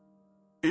え？